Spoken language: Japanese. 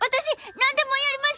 何でもやります！